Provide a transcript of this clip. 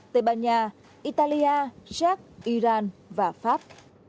tây ban nha italia czech iran và pháp